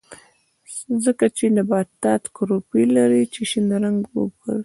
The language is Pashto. ځکه چې نباتات کلوروفیل لري چې شین رنګ ورکوي